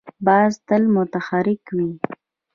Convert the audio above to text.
باز تل متحرک وي